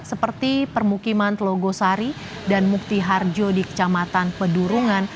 seperti permukiman telogosari dan mukti harjo di kecamatan pedurungan